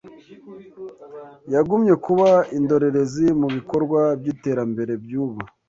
yagumye kuba indorerezi mubikorwa byiterambere byubu